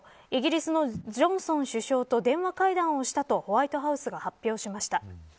イギリスのジョンソン首相と電話会談をしたとホワイトハウスが発表しました。